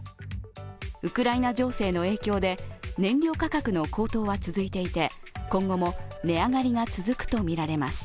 ウクライナ情勢の影響で燃料価格の高騰は続いていて今後も値上がりが続くとみられます。